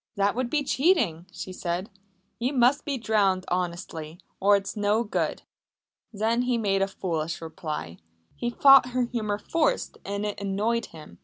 "That would be cheating," she said. "You must be drowned honestly, or it's no good." Then he made a foolish reply. He thought her humour forced and it annoyed him.